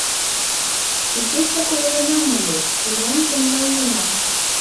— Икечак ойленам ыле, делянкым налнена.